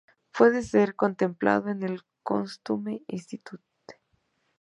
Puede ser contemplado en el Costume Institute.